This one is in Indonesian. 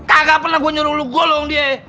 kagak pernah gue nyuruh lo gulung dia